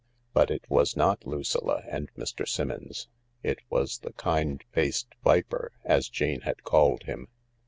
But H was not Lucilla and Mr. Simmons. It was the " kind faced viper," as Jane had called him.